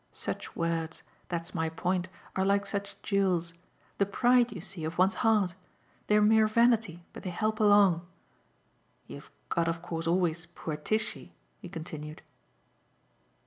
Such words that's my point are like such jewels: the pride, you see, of one's heart. They're mere vanity, but they help along. You've got of course always poor Tishy," he continued.